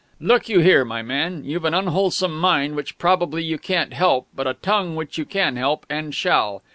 "Look you here, my man; you've an unwholesome mind, which probably you can't help, but a tongue which you can help, and shall!